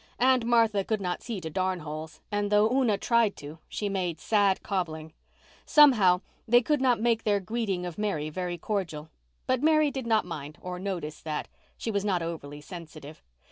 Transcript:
Aunt Martha could not see to darn holes and though Una tried to, she made sad cobbling. Somehow, they could not make their greeting of Mary very cordial. But Mary did not mind or notice that; she was not overly sensitive.